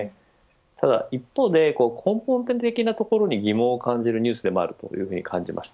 ただ一方で、根本的なところに疑問を感じるニュースでもあると感じました。